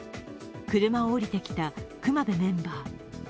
車を降りてきた隈部メンバー。